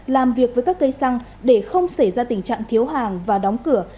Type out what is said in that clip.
làm việc với các cây xăng để không xảy ra tình trạng thiếu hàng và đóng cửa